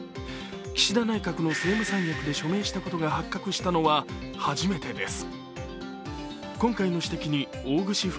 岸田内閣の政務三役で署名したことが発覚したのは、初めてです。